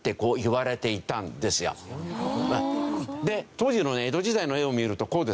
当時の江戸時代の絵を見るとこうですよ。